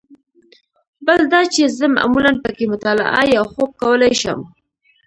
بل دا چې زه معمولاً په کې مطالعه یا خوب کولای شم.